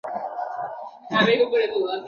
হয়েছে, বাছা।